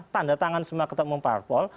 tanda tangan semua ketemu parpol